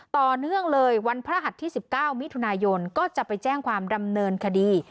ต่อเนื่องเลยวันพระหัสที่๑๙มิถุนายนก็จะไปแจ้งความดำเนินคดี